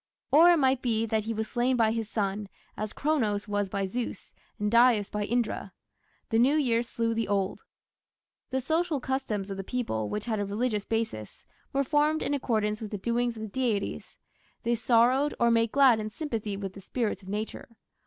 Or it might be that he was slain by his son, as Cronos was by Zeus and Dyaus by Indra. The new year slew the old year. The social customs of the people, which had a religious basis, were formed in accordance with the doings of the deities; they sorrowed or made glad in sympathy with the spirits of nature.